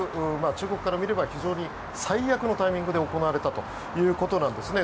中国から見れば非常に最悪のタイミングで行われたということなんですね。